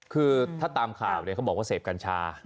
คือถ้าตามข่าวเนี่ยเขาบอกว่าเสพกัญชา